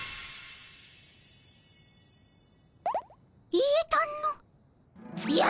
言えたの。